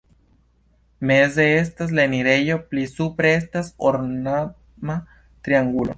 Meze estas la enirejo, pli supre estas ornama triangulo.